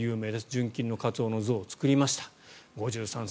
純金のカツオの像を作りました。